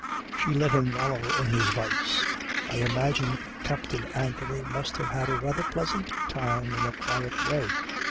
She let him wallow in his vice. I imagine Captain Anthony must have had a rather pleasant time in a quiet way.